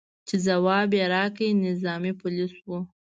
چې ځواب راکړي، نظامي پولیس و.